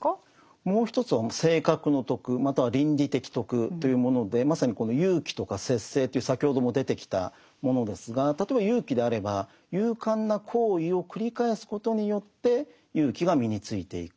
もう一つは性格の徳または倫理的徳というものでまさにこの勇気とか節制という先ほども出てきたものですが例えば勇気であれば勇敢な行為を繰り返すことによって勇気が身についていく。